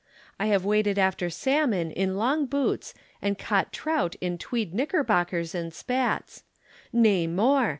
I have waded after salmon in long boots and caught trout in tweed knickerbockers and spats. Nay, more!